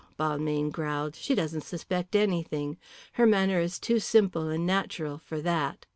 Balmayne growled. "She doesn't suspect anything. Her manner was too simple and natural for that.